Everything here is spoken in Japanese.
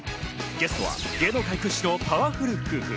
ゲストは芸能界屈指のパワフル夫婦。